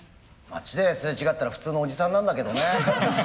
町ですれ違ったら普通のおじさんなんだけどね。